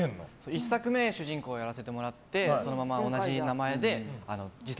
１作目主人公をやらせてもらってそのまま同じ名前で次作